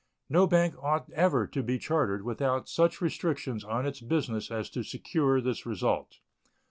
No bank ought ever to be chartered without such restrictions on its business as to secure this result.